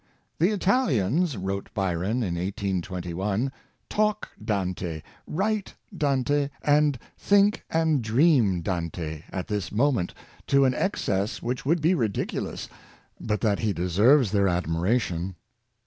" The Italians," wrote Byron in 1821, " talk Dante, write Dante, and think and dream Dante, at this moment, to an excess which would be ridiculous, but that he deserves their admiration."